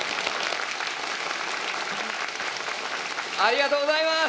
ありがとうございます。